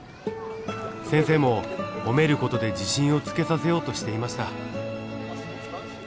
先生もほめる事で自信をつけさせようとしていました。